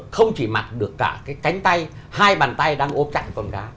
không chỉ mặt được cả cái cánh tay hai bàn tay đang ốp chặn con cá